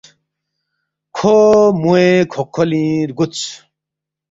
کھو موے کھوقکھولِنگ رگُودس